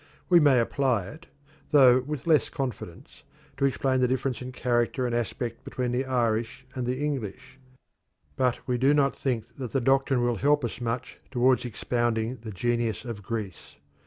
We may apply it though with less confidence to explain the difference in character and aspect between the Irish and the English, but we do not think that the doctrine will help us much towards expounding the genius of Greece.